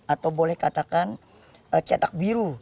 atau boleh katakan cetak biru